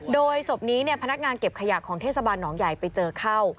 โดยศพนี้พนักงานเก็บขยะของเทศบาลหนองใหญ่ไปเจอเข้า